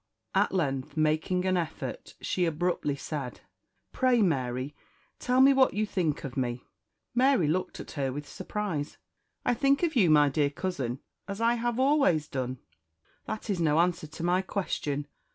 At length, making an effort, she abruptly said "Pray, Mary, tell me what you think of me?" Mary looked at her with surprise. "I think of you, my dear cousin, as I have always done." "That is no answer to my question.